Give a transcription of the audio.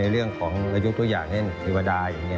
เรียกตัวอย่างเฉวดาอย่างนี้